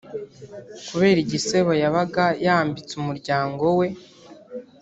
kubera igisebo yabaga yambitse umuryango we